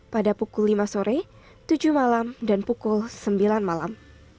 pada pukul lima sore tujuh malam dan pukul sembilan malam